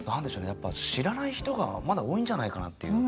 やっぱ知らない人がまだ多いんじゃないかなっていう。